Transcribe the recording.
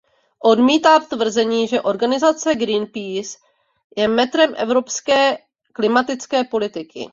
Odmítám tvrzení, že organizace Greenpeace je metrem evropské klimatické politiky.